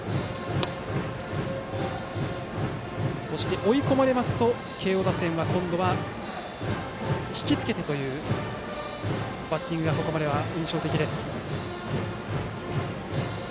そして、追い込まれると慶応打線は今度は引きつけてというバッティングがここまでは印象的です。